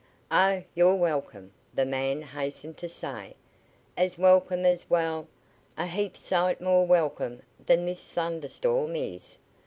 "Oh, you're welcome," the man hastened to say. "As welcome as wa'al, a heap sight more welcome than this thunderstorm is.